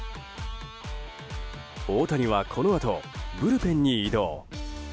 大谷は、このあとブルペンに移動。